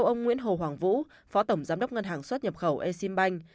ông nguyễn hồ hoàng vũ phó tổng giám đốc ngân hàng xuất nhập khẩu exim bank